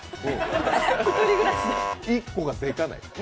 １個がでかない？